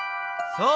そう！